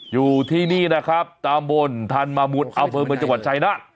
อยู่ที่นี่นะครับตามบนทานมามุนเอาเพลิงเมืองจังหวัดชัยนะ